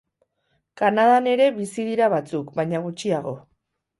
Kanadan ere bizi dira batzuk, baina gutxiago.